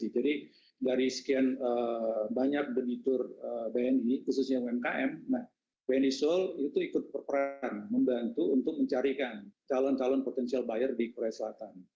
jadi dari sekian banyak denitur bni khususnya umkm bni solo itu ikut berperan membantu untuk mencarikan calon calon potensial buyer di korea selatan